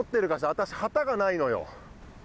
私旗がないのよ。